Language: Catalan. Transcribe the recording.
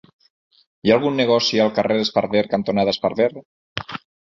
Hi ha algun negoci al carrer Esparver cantonada Esparver?